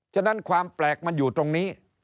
ฉะนั้นความแปลกมันอยู่ตรงนี้